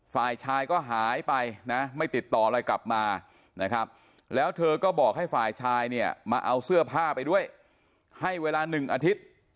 ฝ่ายชายก็หายไปนะไม่ติดต่ออะไรกลับมานะครับแล้วเธอก็บอกให้ฝ่ายชายเนี่ยมาเอาเสื้อผ้าไปด้วยให้เวลา๑อาทิตย์